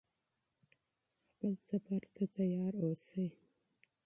خپل سفر ته چمتو اوسئ.